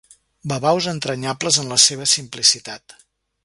Babaus entranyables en la seva simplicitat.